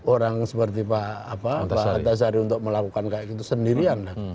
orang seperti pak antasari untuk melakukan kayak gitu sendirian